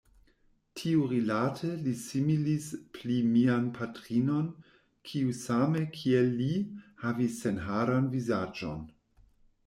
Tiurilate li similis pli mian patrinon, kiu same kiel li, havis senharan vizaĝon.